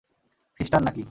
খ্রিষ্টান না কি?